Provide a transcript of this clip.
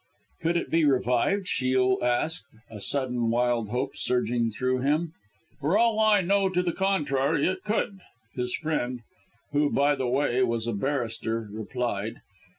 "Could it be revived?" Shiel asked, a sudden wild hope surging through him. "For all I know to the contrary, it could," his friend who, by the way, was a barrister replied.